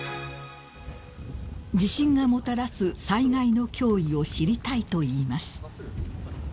［地震がもたらす災害の脅威を知りたいといいます］